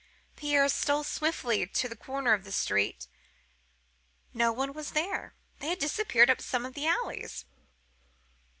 Pierre stole swiftly to the corner of this street; no one was there: they had disappeared up some of the alleys.